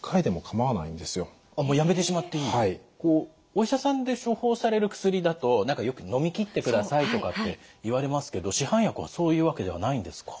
お医者さんで処方される薬だと何かよくのみきってくださいとかって言われますけど市販薬はそういうわけではないんですか？